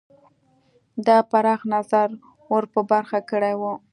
دا پراخ نظر ور په برخه کړی وو.